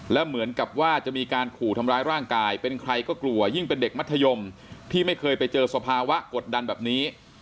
แล้วเหมือนกับว่าจะมีการขู่ทำร้ายร่างกายเป็นใครก็กลัวยิ่งเป็นเด็กมัธยมที่ไม่เคยไปเจอสภาวะกดดันแบบนี้